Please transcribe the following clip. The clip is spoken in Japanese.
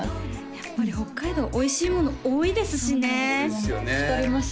やっぱり北海道おいしいもの多いですしね太ります